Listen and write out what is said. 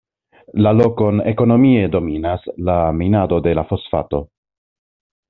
La lokon ekonomie dominas la minado de la fosfato.